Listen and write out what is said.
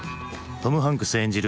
トム・ハンクス演じる